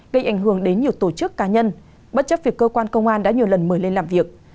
gây ảnh hưởng đến nhiều tổ chức cá nhân bất chấp việc cơ quan công an đã nhiều lần mời lên làm việc